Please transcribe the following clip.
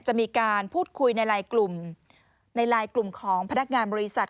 จะมีการพูดคุยในลายกลุ่มของพนักงานบริษัท